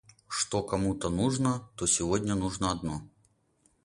что кому-то нужно, то сегодня нужно одно